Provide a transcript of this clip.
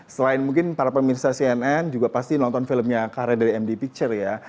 selain mungkin para pemirsa cnn juga pasti nonton filmnya karya dari md picture ya